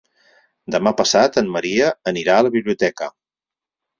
Demà passat en Maria anirà a la biblioteca.